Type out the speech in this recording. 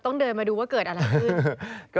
เดินมาดูว่าเกิดอะไรขึ้น